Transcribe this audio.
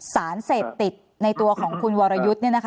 สารเสพติดในตัวของคุณวรยุทธ์